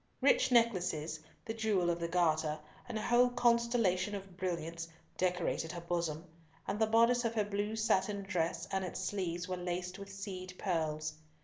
Rich necklaces, the jewel of the Garter, and a whole constellation of brilliants, decorated her bosom, and the boddice of her blue satin dress and its sleeves were laced with seed pearls.